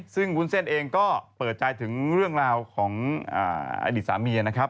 ซึ่งวุ้นเส้นเองก็เปิดใจถึงเรื่องราวของอดีตสามีนะครับ